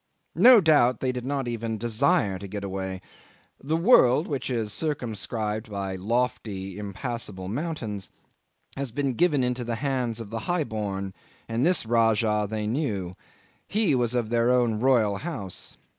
No doubt they did not even desire to get away. The world (which is circumscribed by lofty impassable mountains) has been given into the hand of the high born, and this Rajah they knew: he was of their own royal house.